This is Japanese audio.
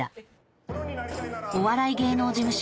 お笑い芸能事務所